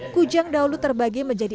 kujang dahulu terbagi menjadi